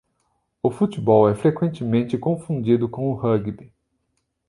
O futebol é frequentemente confundido com o rugby.